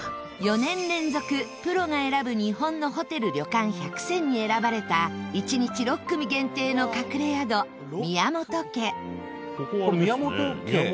４年連続プロが選ぶ日本のホテル・旅館１００選に選ばれた一日６組限定の隠れ宿宮本家。